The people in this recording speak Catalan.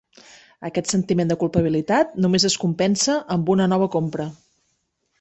Aquest sentiment de culpabilitat només es compensa amb una nova compra.